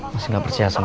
masih gak bersih asam gue